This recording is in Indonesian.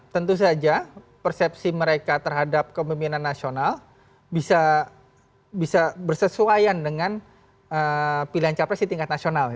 tentu saja persepsi mereka terhadap kemimpinan nasional bisa bersesuaian dengan pilihan capres di tingkat nasional